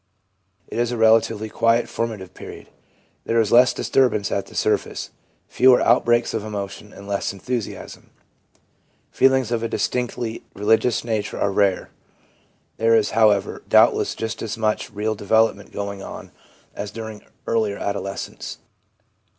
It is a relatively quiet, formative period. There is less disturbance at the surface, fewer outbreaks of emotion, and less enthusiasm. Feelings of a distinctively religious nature are rare. There is, however, doubtless just as much real development going on as during earlier adolescence.